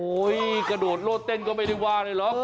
โอ้ยกระโดดรถเต้นก็ไม่ได้ว่าเลยหรอก